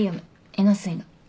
えのすいの。